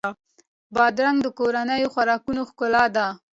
بادرنګ د کورنیو خوراکونو ښکلا ده.